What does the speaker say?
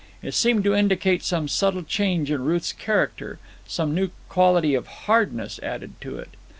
It seemed to indicate some subtle change in Ruth's character, some new quality of hardness added to it.